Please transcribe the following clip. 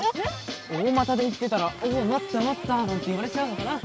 おおまたで行ってたら「おおまったまった」なんて言われちゃうのかな。